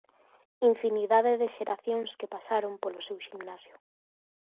Infinidade de xeracións que pasaron polo seu ximnasio.